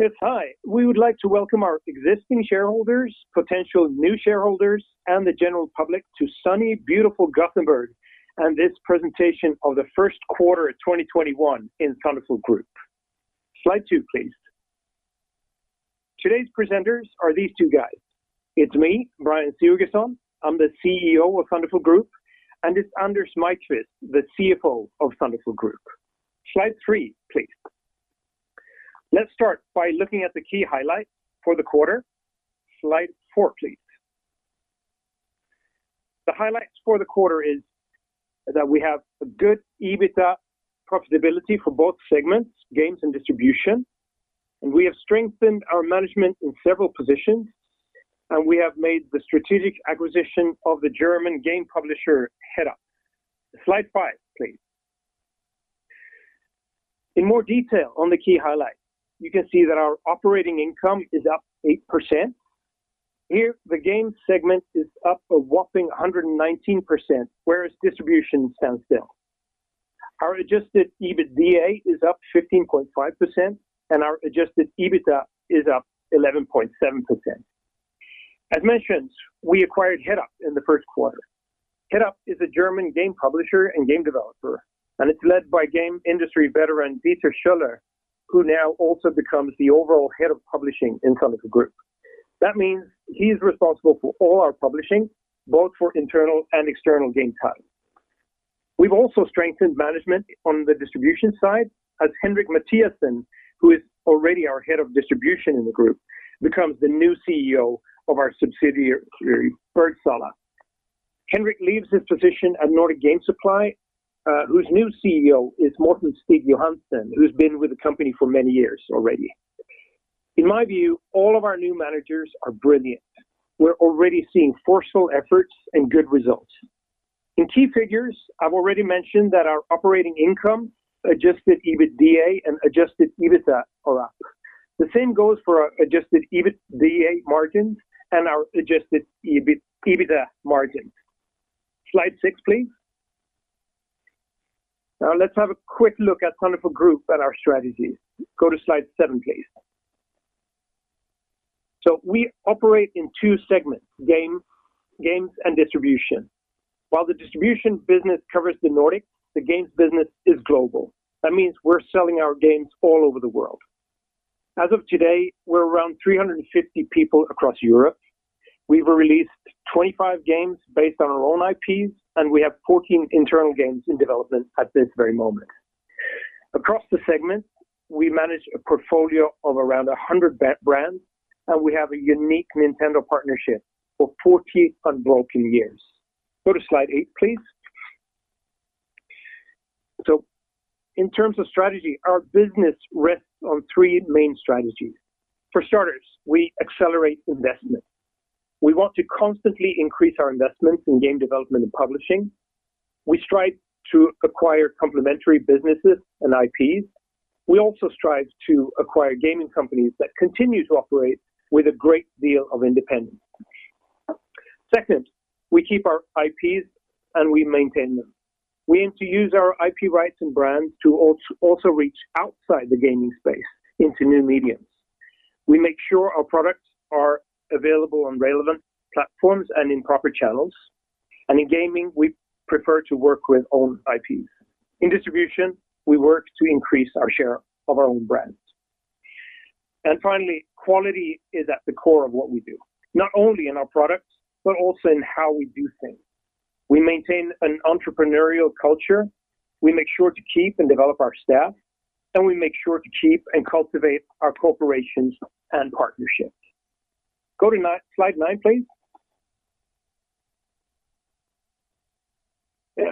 Yes, hi. We would like to welcome our existing shareholders, potential new shareholders, and the general public to sunny, beautiful Gothenburg, and this presentation of the first quarter of 2021 in Thunderful Group. Slide two, please. Today's presenters are these two guys. It is me, Brjann Sigurgeirsson, I am the CEO of Thunderful Group, and it is Anders Maiqvist, the CFO of Thunderful Group. Slide three, please. Let us start by looking at the key highlights for the quarter. Slide four, please. The highlights for the quarter is that we have a good EBITDA profitability for both segments, games and distribution, and we have strengthened our management in several positions, and we have made the strategic acquisition of the German game publisher Headup. Slide five, please. In more detail on the key highlights, you can see that our operating income is up 8%. Here, the game segment is up a whopping 119%, whereas distribution stands still. Our adjusted EBITDA is up 15.5%, and our adjusted EBITDA is up 11.7%. As mentioned, we acquired Headup in the first quarter. Headup is a German game publisher and game developer, and it's led by game industry veteran Dieter Schoeller, who now also becomes the overall head of publishing in Thunderful Group. That means he's responsible for all our publishing, both for internal and external game titles. We've also strengthened management on the distribution side as Henrik Mathiasen, who is already our head of distribution in the group, becomes the new CEO of our subsidiary Bergsala. Henrik leaves his position at Nordic Game Supply, whose new CEO is Morten Stig Grønbæk Johansen, who's been with the company for many years already. In my view, all of our new managers are brilliant. We're already seeing forceful efforts and good results. In key figures, I've already mentioned that our operating income and adjusted EBITDA are up. The same goes for our adjusted EBITDA margins. Slide six, please. Let's have a quick look at Thunderful Group and our strategies. Go to slide seven, please. We operate in two segments, games and distribution. While the distribution business covers the Nordic, the games business is global. That means we're selling our games all over the world. As of today, we're around 350 people across Europe. We've released 25 games based on our own IPs, and we have 14 internal games in development at this very moment. Across the segments, we manage a portfolio of around 100 brands, and we have a unique Nintendo partnership for 14 unbroken years. Go to slide eight, please. In terms of strategy, our business rests on three main strategies. For starters, we accelerate investment. We want to constantly increase our investments in game development and publishing. We strive to acquire complementary businesses and IPs. We also strive to acquire gaming companies that continue to operate with a great deal of independence. Second, we keep our IPs and we maintain them. We aim to use our IP rights and brands to also reach outside the gaming space into new mediums. We make sure our products are available on relevant platforms and in proper channels. In gaming, we prefer to work with own IPs. In distribution, we work to increase our share of our own brands. Finally, quality is at the core of what we do, not only in our products, but also in how we do things. We maintain an entrepreneurial culture. We make sure to keep and develop our staff, and we make sure to keep and cultivate our corporations and partnerships. Go to slide nine, please.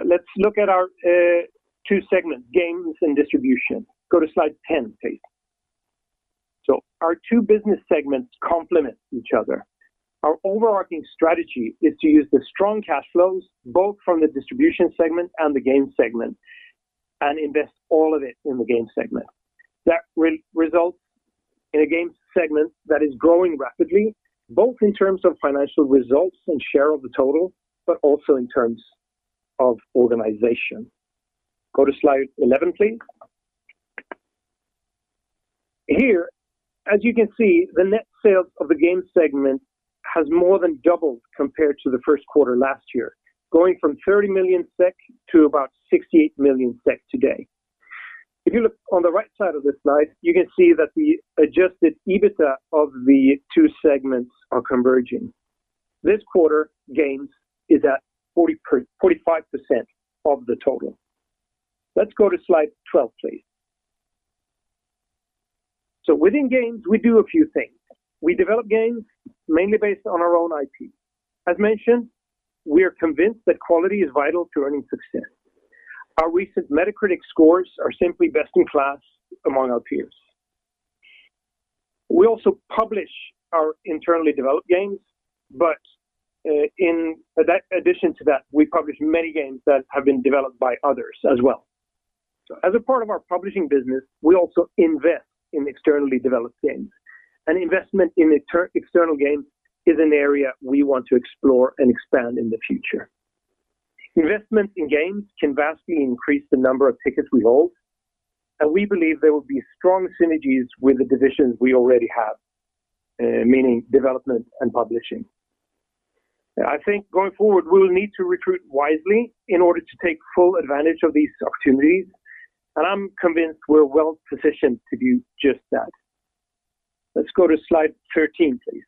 Let's look at our two segments, games and distribution. Go to slide 10, please. Our two business segments complement each other. Our overarching strategy is to use the strong cash flows both from the distribution segment and the game segment and invest all of it in the game segment. That results in a games segment that is growing rapidly, both in terms of financial results and share of the total, but also in terms of organization. Go to slide 11, please. Here, as you can see, the net sales of the game segment has more than doubled compared to the first quarter last year, going from 30 million SEK to about 68 million SEK today. If you look on the right side of the slide, you can see that the adjusted EBITDA of the two segments are converging. This quarter, games is at 45% of the total. Let's go to slide 12, please. Within games, we do a few things. We develop games mainly based on our own IP. As mentioned, we are convinced that quality is vital to earning success. Our recent Metacritic scores are simply best-in-class among our peers. We also publish our internally developed games, but in addition to that, we publish many games that have been developed by others as well. As a part of our publishing business, we also invest in externally developed games. Investment in external games is an area we want to explore and expand in the future. Investments in games can vastly increase the number of tickets we hold, and we believe there will be strong synergies with the divisions we already have, meaning development and publishing. I think going forward, we will need to recruit wisely in order to take full advantage of these opportunities, and I'm convinced we're well-positioned to do just that. Let's go to slide 13, please.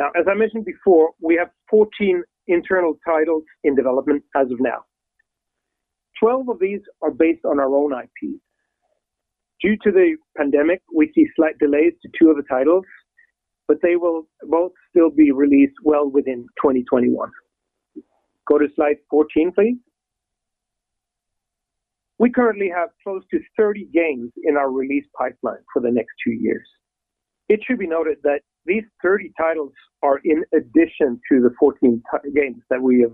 As I mentioned before, we have 14 internal titles in development as of now. 12 of these are based on our own IP. Due to the pandemic, we see slight delays to two of the titles, but they will both still be released well within 2021. Go to slide 14, please. We currently have close to 30 games in our release pipeline for the next two years. It should be noted that these 30 titles are in addition to the 14 games that we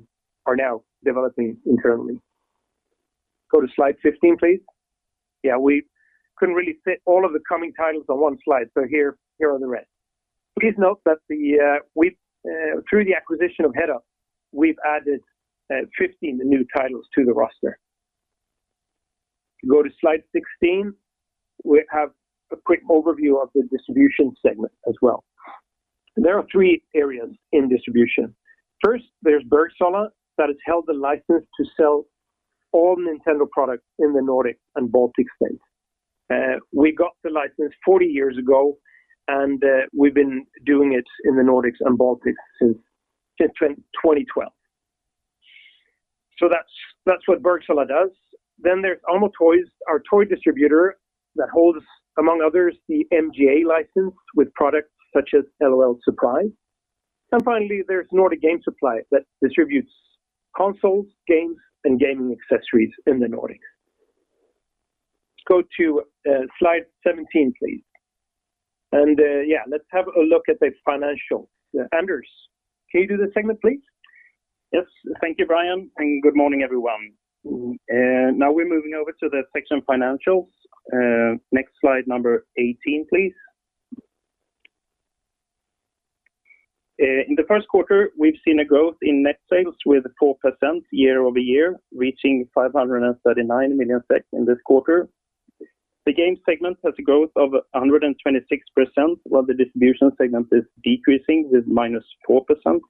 are now developing internally. Go to slide 15, please. Yeah, we couldn't really fit all of the coming titles on one slide, so here are the rest. Please note that through the acquisition of Headup, we've added 15 new titles to the roster. If you go to slide 16, we have a quick overview of the distribution segment as well. There are three areas in distribution. First, there's Bergsala that is held the license to sell all Nintendo products in the Nordic and Baltic states. We got the license 40 years ago, and we've been doing it in the Nordics and Baltics since 2012. That's what Bergsala does. There's Amo Toys, our toy distributor that holds, among others, the MGA license with products such as L.O.L. Surprise! Finally, there's Nordic Game Supply that distributes consoles, games, and gaming accessories in the Nordics. Go to slide 17, please. Let's have a look at the financials. Anders, can you do the segment, please? Yes. Thank you, Brjann, and good morning, everyone. Now we're moving over to the section financials. Next slide, number 18, please. In the first quarter, we've seen a growth in net sales with 4% year-over-year, reaching 539 million SEK in this quarter. The games segment has a growth of 126%, while the distribution segment is decreasing with -4%.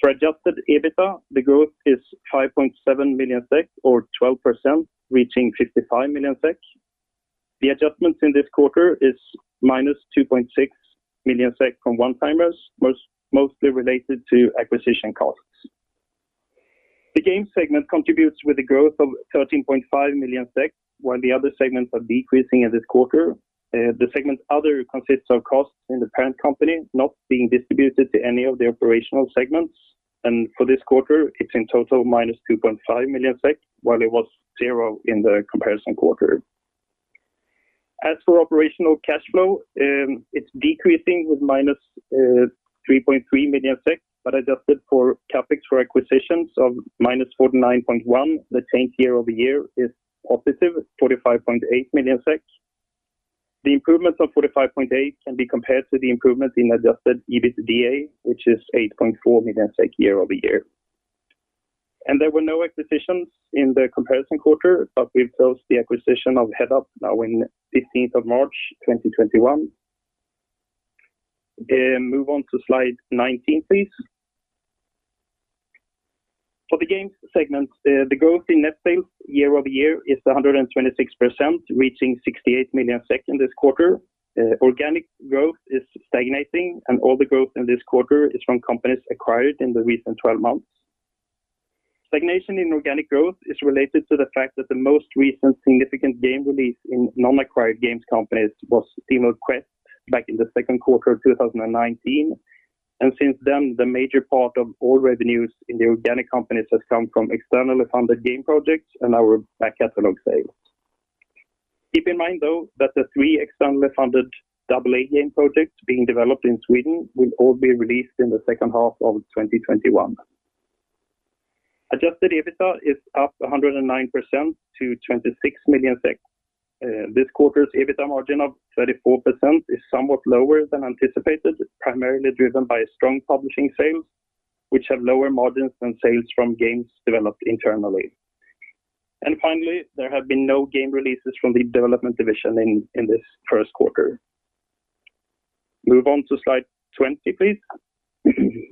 For adjusted EBITDA, the growth is 5.7 million SEK, or 12%, reaching 55 million SEK. The adjustments in this quarter is -2.6 million SEK from one-timers, mostly related to acquisition costs. The games segment contributes with a growth of 13.5 million, while the other segments are decreasing in this quarter. The segment other consists of costs in the parent company not being distributed to any of the operational segments. For this quarter, it's in total -2.5 million, while it was zero in the comparison quarter. As for operational cash flow, it's decreasing with -3.3 million SEK. Adjusted for CapEx for acquisitions of -49.1 million, the change year-over-year is +45.8 million SEK. The improvements of 45.8 million can be compared to the improvements in adjusted EBITDA, which is 8.4 million SEK year-over-year. There were no acquisitions in the comparison quarter. We've closed the acquisition of Headup now in 16th of March 2021. Move on to slide 19, please. For the games segment, the growth in net sales year-over-year is 126%, reaching 68 million SEK this quarter. Organic growth is stagnating. All the growth in this quarter is from companies acquired in the recent 12 months. Stagnation in organic growth is related to the fact that the most recent significant game release in non-acquired games companies was SteamWorld Quest back in the second quarter of 2019, and since then, the major part of all revenues in the organic companies has come from externally funded game projects and our back catalog sales. Keep in mind, though, that the three externally funded AA game projects being developed in Sweden will all be released in the second half of 2021. Adjusted EBITDA is up 109% to 26 million. This quarter's EBITDA margin of 34% is somewhat lower than anticipated, primarily driven by strong publishing sales, which have lower margins than sales from games developed internally. Finally, there have been no game releases from the development division in this first quarter. Move on to slide 20, please.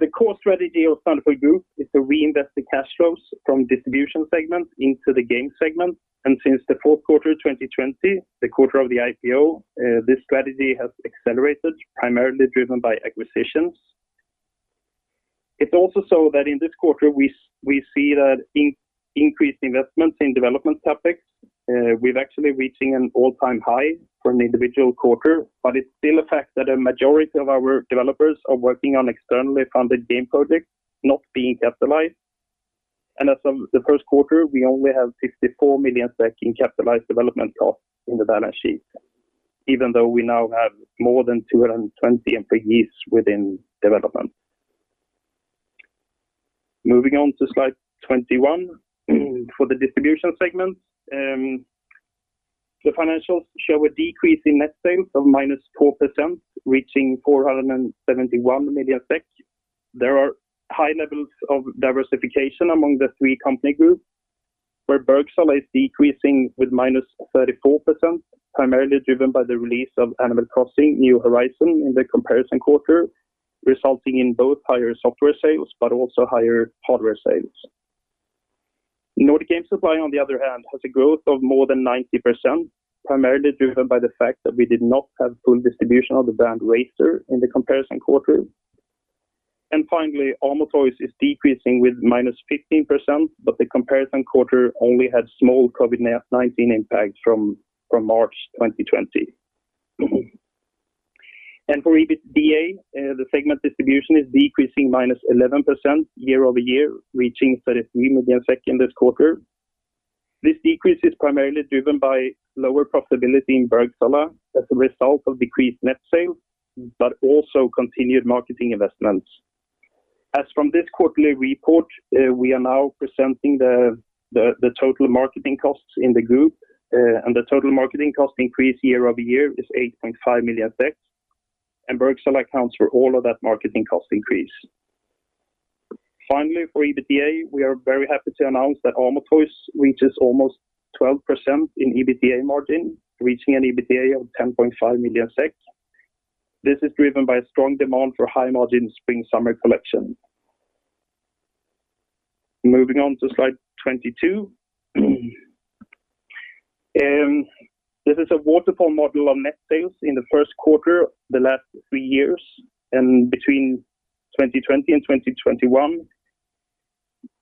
The core strategy of Thunderful Group is to reinvest the cash flows from distribution segment into the game segment. Since the fourth quarter of 2020, the quarter of the IPO, this strategy has accelerated, primarily driven by acquisitions. It's also so that in this quarter, we see that increased investments in development CapEx, we've actually reaching an all-time high for an individual quarter, but it's still a fact that a majority of our developers are working on externally funded game projects not being capitalized. As of the first quarter, we only have 64 million in capitalized development costs in the balance sheet, even though we now have more than 220 employees within development. Moving on to slide 21 for the distribution segment. The financials show a decrease in net sales of -4%, reaching 471 million SEK. There are high levels of diversification among the three company groups, where Bergsala is decreasing with -34%, primarily driven by the release of Animal Crossing: New Horizons in the comparison quarter, resulting in both higher software sales but also higher hardware sales. Nordic Game Supply, on the other hand, has a growth of more than 90%, primarily driven by the fact that we did not have full distribution of the brand Razer in the comparison quarter. Finally, Amo Toys is decreasing with -15%, but the comparison quarter only had small COVID-19 impacts from March 2020. For EBITDA, the segment distribution is decreasing -11% year-over-year, reaching 33 million this quarter. This decrease is primarily driven by lower profitability in Bergsala as a result of decreased net sales, but also continued marketing investments. As from this quarterly report, we are now presenting the total marketing costs in the group, and the total marketing cost increase year-over-year is 8.5 million, and Bergsala accounts for all of that marketing cost increase. Finally, for EBITDA, we are very happy to announce that Amo Toys reaches almost 12% in EBITDA margin, reaching an EBITDA of 10.5 million. This is driven by strong demand for high-margin spring/summer collection. Moving on to slide 22. This is a waterfall model of net sales in the first quarter of the last three years, and between 2020 and 2021.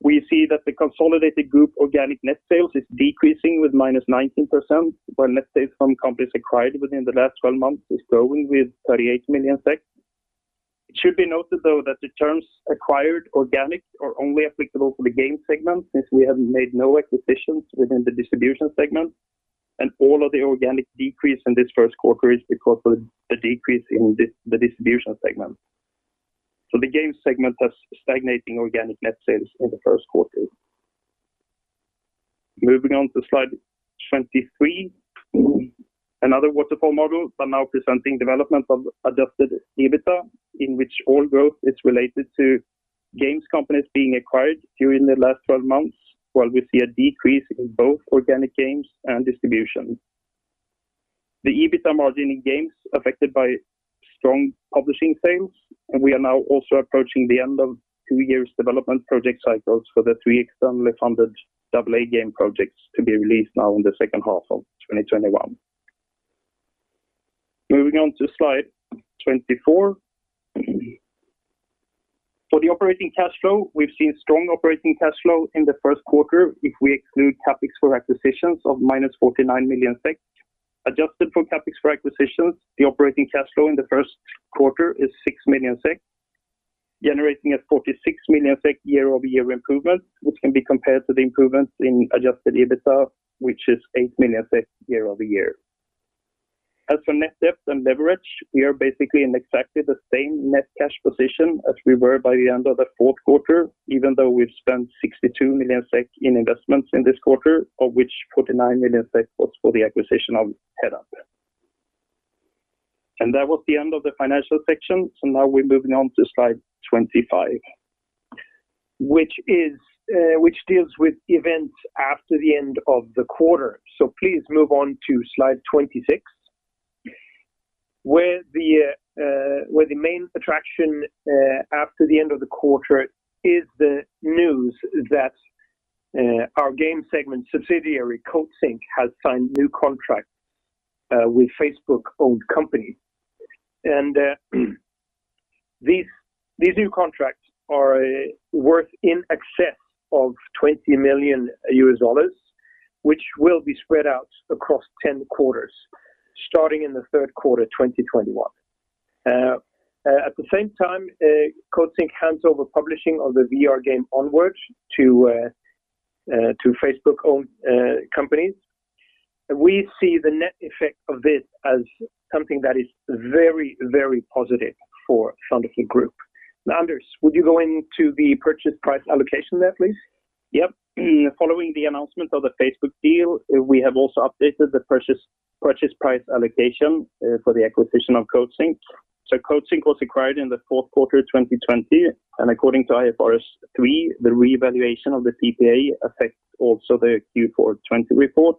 We see that the consolidated group organic net sales is decreasing with -19%, while net sales from companies acquired within the last 12 months is growing with 38 million. It should be noted, though, that the terms acquired organic are only applicable for the games segment since we have made no acquisitions within the distribution segment, and all of the organic decrease in this first quarter is because of the decrease in the distribution segment. The games segment has stagnating organic net sales in the first quarter. Moving on to slide 23. Another waterfall model, but now presenting development of adjusted EBITDA, in which all growth is related to games companies being acquired during the last 12 months, while we see a decrease in both organic games and distribution. The EBITDA margin in games affected by strong publishing sales, and we are now also approaching the end of two years development project cycles for the three externally funded AA game projects to be released now in the second half of 2021. Moving on to slide 24. For the operating cash flow, we see a strong operating cash flow in the first quarter if we exclude CapEx for acquisitions of -49 million SEK. Adjusted for CapEx for acquisitions, the operating cash flow in the first quarter is 6 million SEK, generating a 46 million SEK year-over-year improvement, which can be compared to the improvements in adjusted EBITDA, which is 8 million year-over-year. As for net debt and leverage, we are basically in exactly the same net cash position as we were by the end of the fourth quarter, even though we've spent 62 million SEK in investments in this quarter, of which 49 million SEK was for the acquisition of Headup then. That was the end of the financial section, now we're moving on to slide 25 which deals with events after the end of the quarter. Please move on to slide 26 where the main attraction after the end of the quarter is the news that our game segment subsidiary, Coatsink, has signed new contracts with Facebook-owned company. These new contracts are worth in excess of $20 million, which will be spread out across 10 quarters, starting in the third quarter 2021. At the same time Coatsink hands over publishing of the VR game Onward to Facebook-owned companies. We see the net effect of this as something that is very positive for Thunderful Group. Anders, would you go into the purchase price allocation there, please? Yep. Following the announcement of the Facebook deal, we have also updated the purchase price allocation for the acquisition of Coatsink. Coatsink was acquired in the fourth quarter of 2020, and according to IFRS 3, the revaluation of the PPA affects also the Q4 2020 report.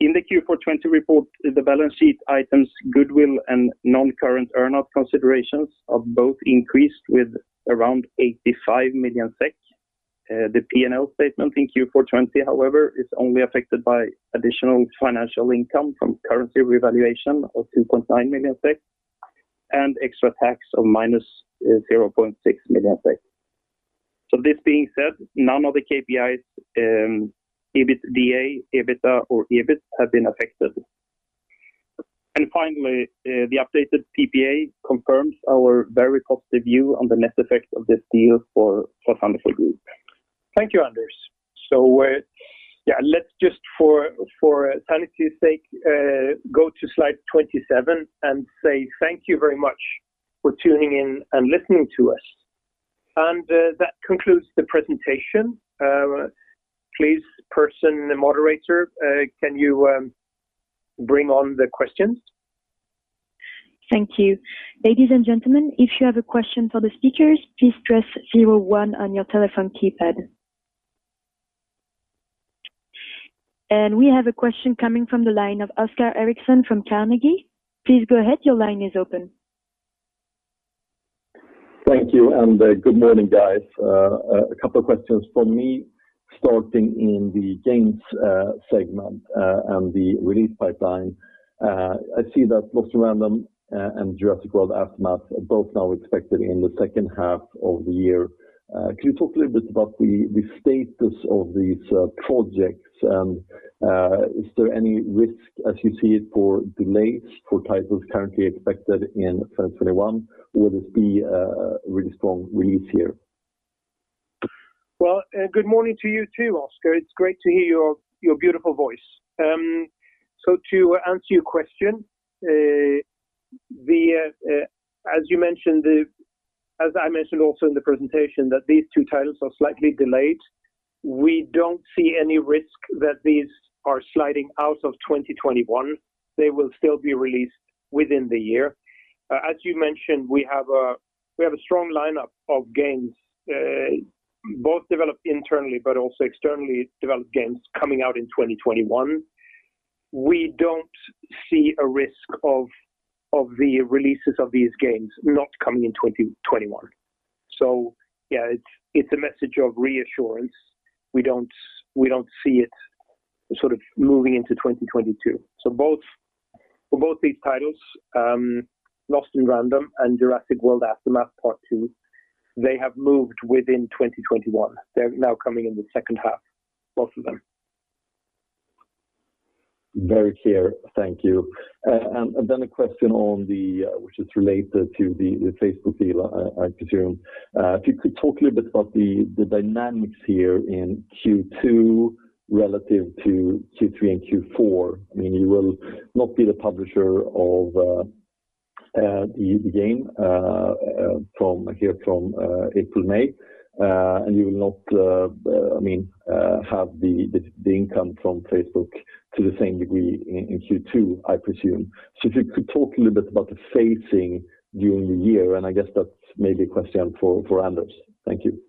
In the Q4 2020 report, the balance sheet items goodwill and non-current earnout considerations have both increased with around 85 million SEK. The P&L statement in Q4 2020, however, is only affected by additional financial income from currency revaluation of 2.9 million SEK and extra tax on -0.6 million SEK. This being said, none of the KPIs, EBITDA, or EBIT have been affected. Finally, the updated PPA confirms our very positive view on the net effect of this deal for Thunderful Group. Thank you, Anders. Let's just for sanity's sake, go to slide 27 and say thank you very much for tuning in and listening to us. That concludes the presentation. Please, moderator, can you bring on the questions? Thank you. Ladies and gentlemen, if you have a question for the speakers, please press zero one on your telephone keypad. We have a question coming from the line of Oscar Erixon from Carnegie. Please go ahead. Your line is open. Thank you, and good morning, guys. A couple questions from me starting in the games segment and the release pipeline. I see that "Lost in Random" and "Jurassic World Aftermath" are both now expected in the second half of the year. Can you talk a little bit about the status of these projects? Is there any risk as you see it for delays for titles currently expected in 2021? Will it be a really strong release year? Well, good morning to you too, Oscar. It's great to hear your beautiful voice. To answer your question, as I mentioned also in the presentation, that these two titles are slightly delayed. We don't see any risk that these are sliding out of 2021. They will still be released within the year. As you mentioned, we have a strong lineup of games, both developed internally, but also externally developed games coming out in 2021. We don't see a risk of the releases of these games not coming in 2021. Yeah, it's a message of reassurance. We don't see it sort of moving into 2022. Both these titles, "Lost in Random" and "Jurassic World Aftermath: Part 2," they have moved within 2021. They're now coming in the second half, both of them. Very clear. Thank you. A question which is related to the Facebook deal, I presume. If you could talk a little bit about the dynamics here in Q2 relative to Q3 and Q4. You will not be the publisher of the game here from April, May. You will not have the income from Facebook to the same degree in Q2, I presume. If you could talk a little bit about the phasing during the year, and I guess that's maybe a question for Anders. Thank you.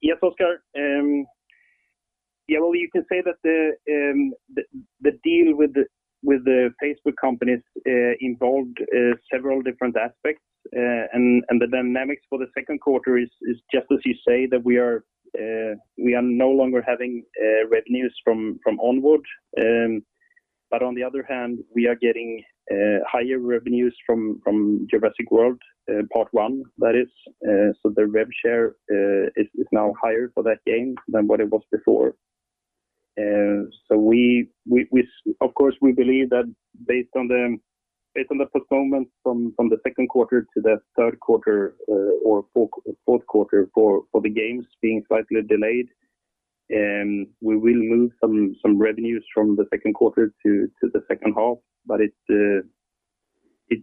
Yes, Oscar. You can say that the deal with the Facebook company involved several different aspects. The dynamics for the second quarter is just as you say, that we are no longer having revenues from Onward. On the other hand, we are getting higher revenues from Jurassic World Aftermath, part one, that is. The rev share is now higher for that game than what it was before. Of course, we believe that based on the postponement from the second quarter to the third quarter or fourth quarter for the games being slightly delayed, we will lose some revenues from the second quarter to the second half.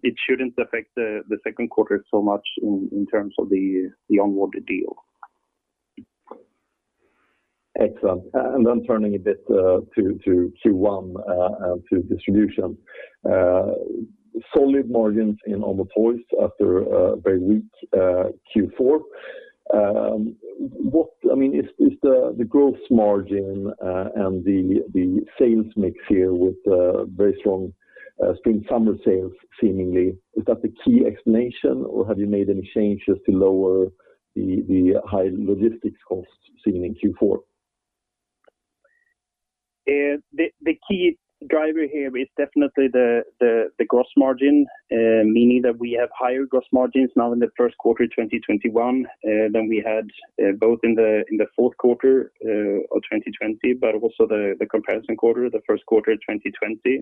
It shouldn't affect the second quarter so much in terms of the Onward deal. Excellent. Then turning a bit to Q1 and to distribution. Solid margins in Amo Toys after a very weak Q4. Is the gross margin and the sales mix here with very strong spring/summer sales seemingly, is that the key explanation, or have you made any changes to lower the high logistics cost seen in Q4? The key driver here is definitely the gross margin, meaning that we have higher gross margins now in the first quarter 2021 than we had both in the fourth quarter of 2020, but also the comparison quarter, the first quarter 2020.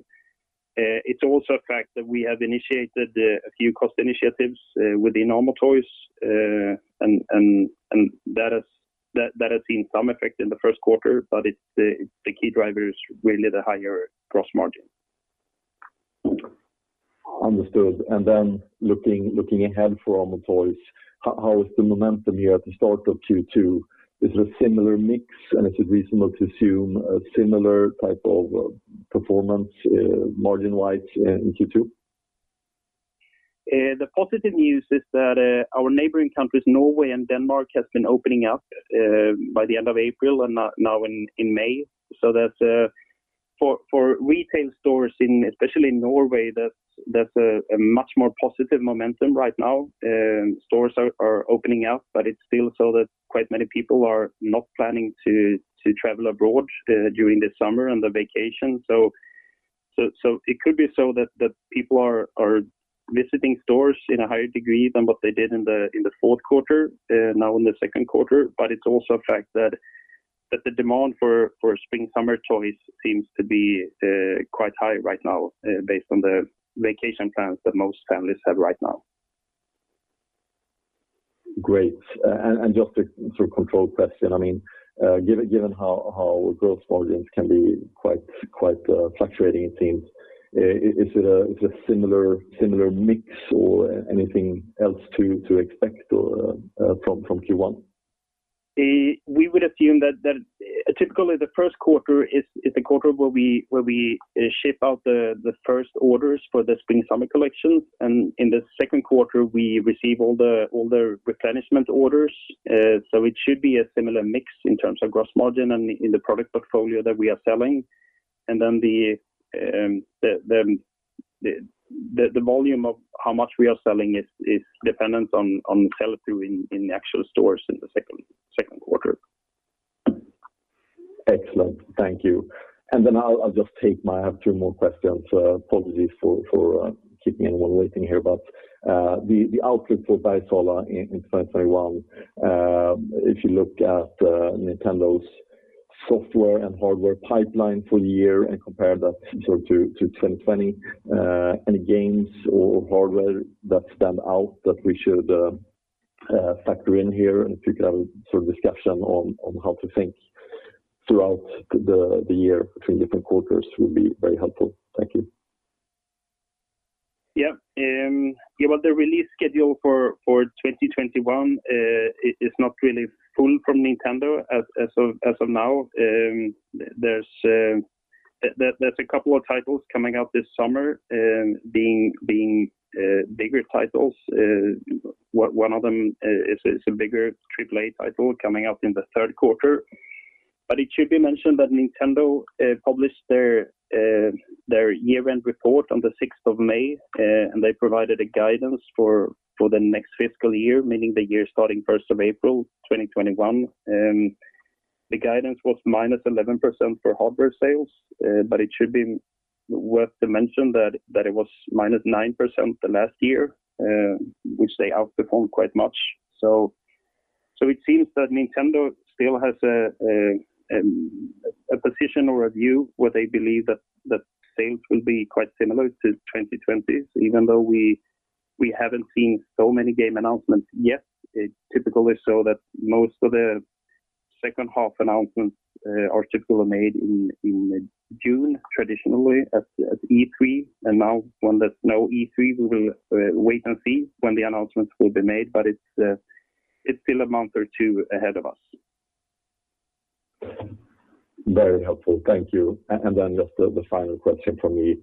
It's also a fact that we have initiated a few cost initiatives within Amo Toys, and that has seen some effect in the first quarter, but the key driver is really the higher gross margin. Understood. Looking ahead for Amo Toys, how is the momentum here at the start of Q2? Is it a similar mix, and is it reasonable to assume a similar type of performance margin-wise in Q2? The positive news is that our neighboring countries, Norway and Denmark, has been opening up by the end of April and now in May. That for retail stores in especially Norway there's a much more positive momentum right now. Stores are opening up, it's still so that quite many people are not planning to travel abroad during the summer on their vacation. It could be so that people are visiting stores in a higher degree than what they did in the fourth quarter, now in the second quarter. It's also a fact that the demand for spring/summer toys seems to be quite high right now based on the vacation plans that most families have right now. Great. Just a sort of control question. Given how gross margins can be quite fluctuating things. Is it a similar mix or anything else to expect from Q1? We would assume that typically the first quarter is the quarter where we ship out the first orders for the spring-summer collection. In the second quarter, we receive all the replenishment orders. It should be a similar mix in terms of gross margin and in the product portfolio that we are selling. Then the volume of how much we are selling is dependent on sell-through in the actual stores in the second quarter. Excellent. Thank you. Then I'll just take my two more questions. Apologies for keeping everyone waiting here, the outlook for Bergsala in 2021, if you look at Nintendo's software and hardware pipeline full year and compare that to 2020, any games or hardware that stand out that we should factor in here and figure out a discussion on how to think throughout the year between different quarters would be very helpful. Thank you. Yeah. The release schedule for 2021 is not really full from Nintendo as of now. There's a couple of titles coming out this summer, being bigger titles. One of them is a bigger AAA title coming out in the third quarter. It should be mentioned that Nintendo published their year-end report on the 6th of May, and they provided a guidance for the next fiscal year, meaning the year starting 1st of April 2021. The guidance was -11% for hardware sales, but it should be worth to mention that it was -9% the last year, which they outperformed quite much. It seems that Nintendo still has a position or a view where they believe that sales will be quite similar to 2020. Even though we haven't seen so many game announcements yet, it's typically so that most of the second-half announcements are typically made in June, traditionally at E3. Now when there's no E3, we will wait and see when the announcements will be made, but it's still a month or two ahead of us. Very helpful. Thank you. Just the final question from me,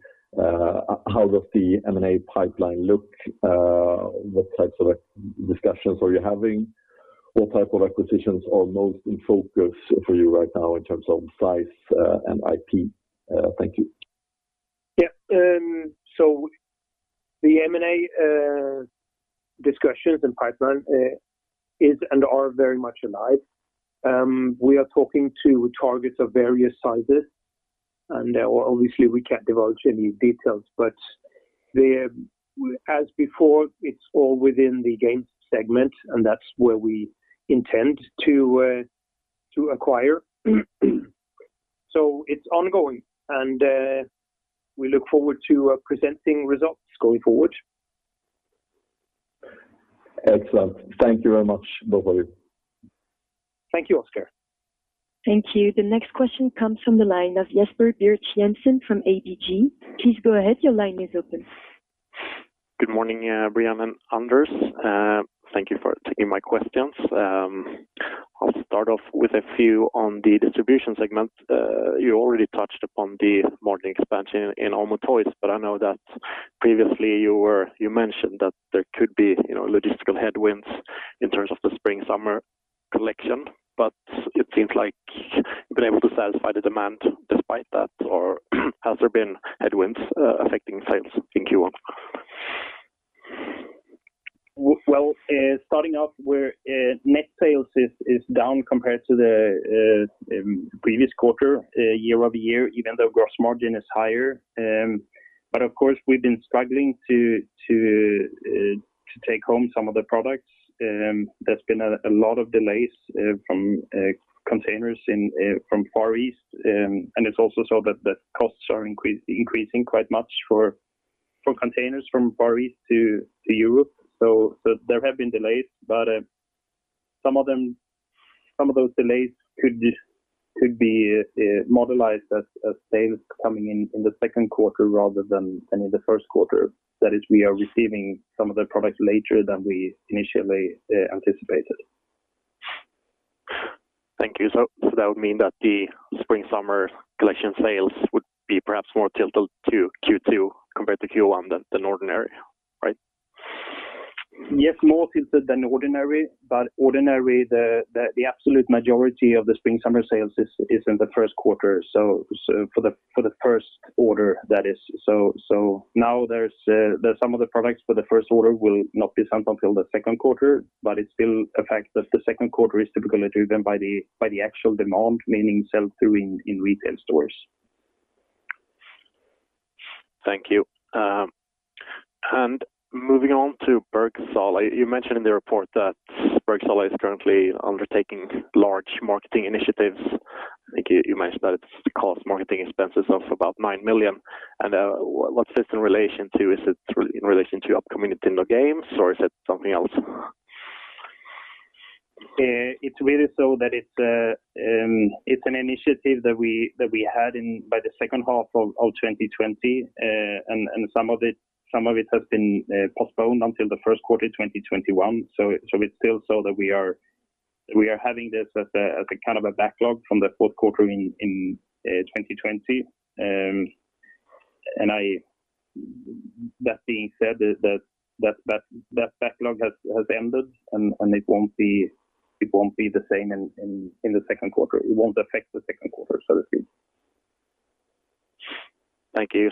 how does the M&A pipeline look? What types of discussions are you having? What type of acquisitions are most in focus for you right now in terms of size and IP? Thank you. Yeah. The M&A discussions and pipeline are very much alive. We are talking to targets of various sizes, and obviously we can't divulge any details, but as before, it's all within the game segment, and that's where we intend to acquire. It's ongoing, and we look forward to presenting results going forward. Excellent. Thank you very much, Brjann. Thank you, Oscar. Thank you. The next question comes from the line of Jesper Birch-Jensen from ABG. Please go ahead. Your line is open. Good morning, Brjann and Anders. Thank you for taking my questions. I'll start off with a few on the distribution segment. You already touched upon the modern expansion in Amo Toys. I know that previously you mentioned that there could be logistical headwinds in terms of the spring-summer collection. It seems like you've been able to satisfy the demand despite that. Has there been headwinds affecting sales in Q1? Starting off where net sales is down compared to the previous quarter year-over-year, even though gross margin is higher. Of course, we've been struggling to take home some of the products. There's been a lot of delays from containers from Far East, and it's also so that costs are increasing quite much for containers from Far East to Europe. There have been delays, but some of those delays could be modelized as sales coming in the second quarter rather than in the first quarter. That is, we are receiving some of the products later than we initially anticipated. Thank you. That would mean that the spring-summer collection sales would be perhaps more tilted to Q2 compared to Q1 than ordinary, right? Yes, more tilted than ordinary, but ordinary, the absolute majority of the spring-summer sales is in the first quarter. For the first order, that is. Now some of the products for the first order will not be sent until the second quarter, but it still affects us. The second quarter is typically driven by the actual demand, meaning sell-through in retail stores. Thank you. Moving on to Bergsala, you mentioned in the report that Bergsala is currently undertaking large marketing initiatives. I think you mentioned that it costs marketing expenses of about 9 million. What is this in relation to? Is it in relation to upcoming Nintendo games, or is it something else? It's really that it's an initiative that we had by the second half of 2020. Some of it has been postponed until the first quarter 2021. It's still that we are having this as a kind of a backlog from the fourth quarter in 2020. That being said, that backlog has ended. It won't be the same in the second quarter. It won't affect the second quarter, so to speak. Thank you.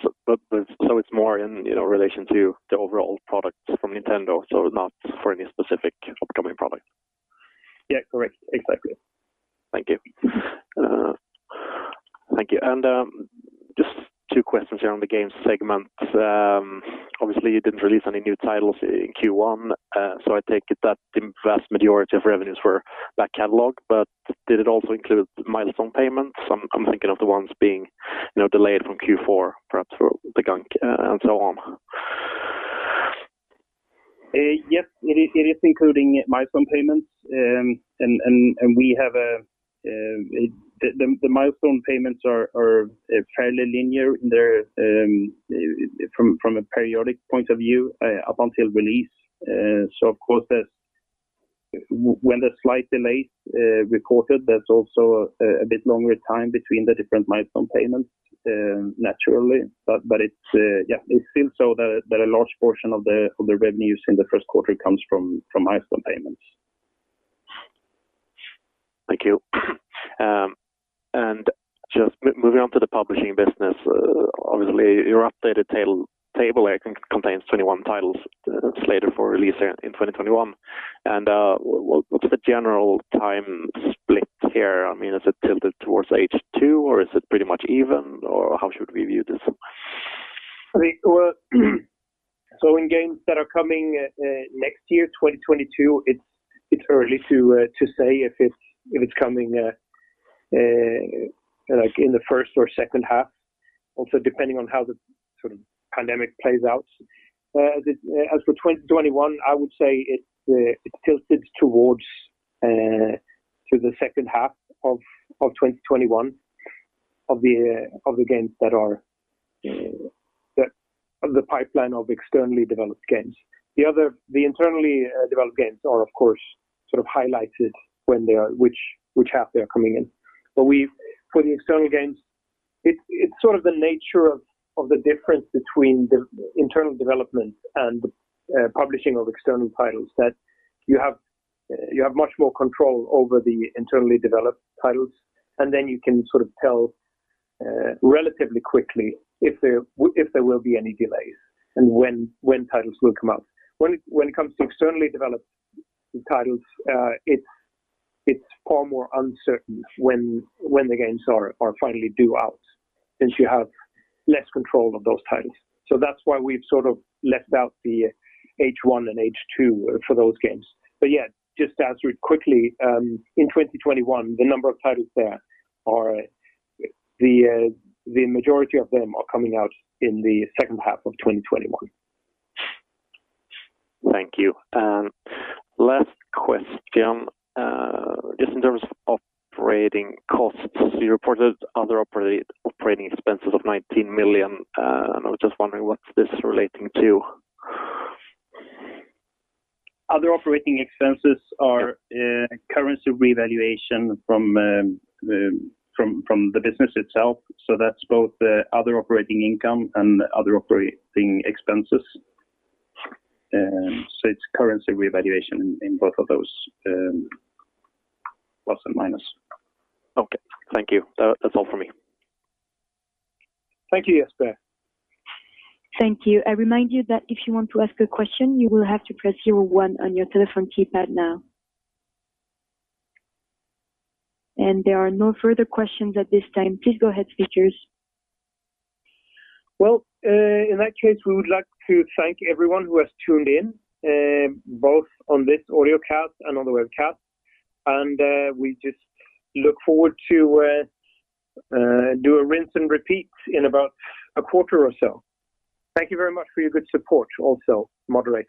It's more in relation to the overall product from Nintendo, so not for any specific upcoming product? Yeah. Correct. Exactly. Thank you. Just two questions here on the games segment. Obviously, you didn't release any new titles in Q1. I take it that the vast majority of revenues were back catalog. Did it also include milestone payments? I'm thinking of the ones being delayed from Q4, perhaps for The Gunk and so on. Yes, it is including milestone payments. The milestone payments are fairly linear from a periodic point of view up until release. Of course, with a slight delay reported, there's also a bit longer time between the different milestone payments naturally. It's still so that a large portion of the revenues in the first quarter comes from milestone payments. Thank you. Just moving on to the publishing business, obviously, your updated table contains 21 titles slated for release in 2021. What's the general time split here? I mean, is it tilted towards H2, or is it pretty much even, or how should we view this? In games that are coming next year, 2022, it's early to say if it's coming in the first or second half, also depending on how the pandemic plays out. As for 2021, I would say it's tilted towards the second half of 2021 of the games that are in the pipeline of externally developed games. The internally developed games are, of course, sort of highlighted which half they're coming in. For the external games, it's sort of the nature of the difference between the internal development and the publishing of external titles that you have much more control over the internally developed titles, and then you can sort of tell relatively quickly if there will be any delays and when titles will come out. When it comes to externally developed titles, it's far more uncertain when the games are finally due out since you have less control of those titles. That's why we've sort of left out the H1 and H2 for those games. Yeah, just to answer it quickly, in 2021, the number of titles there, the majority of them are coming out in the second half of 2021. Thank you. Last question. Just in terms of operating costs, you reported other operating expenses of 19 million. I was just wondering what's this relating to? Other operating expenses are currency revaluation from the business itself. That's both other operating income and other operating expenses. It's currency revaluation in both of those, plus and minus. Okay, thank you. That's all for me. Thank you, Jesper. Thank you. I remind you that if you want to ask a question, you will have to press zero one on your telephone keypad now. There are no further questions at this time. Please go ahead, speakers. Well, in that case, we would like to thank everyone who has tuned in, both on this audio cast and on the webcast. We just look forward to do a rinse and repeat in about a quarter or so. Thank you very much for your good support also, moderator.